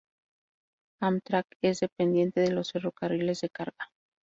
Amtrak es dependiente de los ferrocarriles de carga.